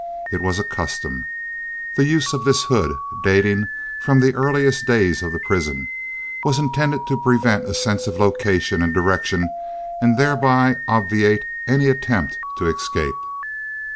It was a custom. The use of this hood, dating from the earliest days of the prison, was intended to prevent a sense of location and direction and thereby obviate any attempt to escape.